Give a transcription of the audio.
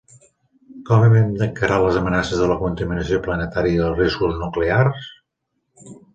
Com hem d’encarar les amenaces de la contaminació planetària i els riscos nuclears?